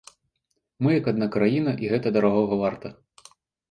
Мы як адна краіна, і гэта дарагога варта.